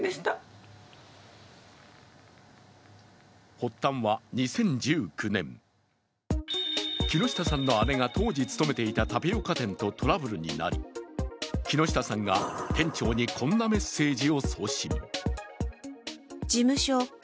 発端は２０１９年木下さんの姉が当時勤めていたタピオカ店とトラブルになり木下さんが店長に、こんなメッセージを送信。